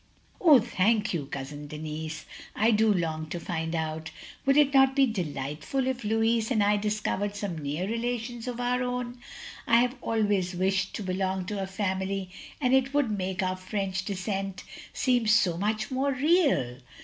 "Oh, thank you, Cousin Denis. I do long to OF GROSVENOR SQUARE 243 find out. Would not it be delightful if Louis and I discovered some near relations of our own? I have always wished to belong to a family and it would make our French descent seem so much more real.